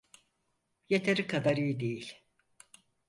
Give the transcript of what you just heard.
Yeteri kadar iyi değil.